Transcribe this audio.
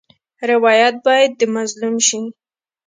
روایت باید د مظلوم شي.